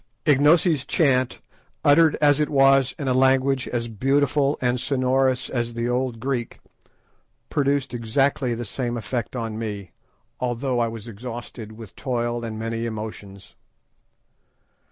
Ignosi's chant, uttered as it was in a language as beautiful and sonorous as the old Greek, produced exactly the same effect on me, although I was exhausted with toil and many emotions.